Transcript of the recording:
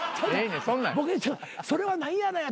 「それは何やねん」